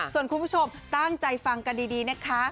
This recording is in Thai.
ส่วนคุณผู้ชมตั้งใจฟังกันดีนะคะ